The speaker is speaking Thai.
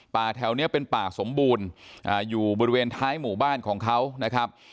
แถวนี้เป็นป่าสมบูรณ์อยู่บริเวณท้ายหมู่บ้านของเขานะครับ